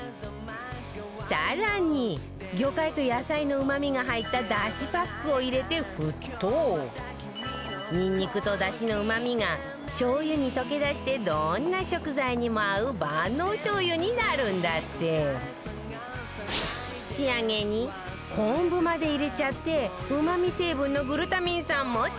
更に魚介と野菜のうまみが入った出汁パックを入れて沸騰ニンニクと、出汁のうまみがしょう油に溶け出してどんな食材にも合う万能しょう油になるんだって仕上げに昆布まで入れちゃってうまみ成分のグルタミン酸も追加